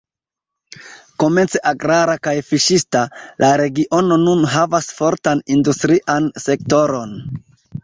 Komence agrara kaj fiŝista, la regiono nun havas fortan industrian sektoron.